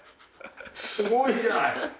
すごいじゃない。